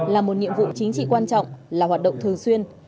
là một nhiệm vụ chính trị quan trọng là hoạt động thường xuyên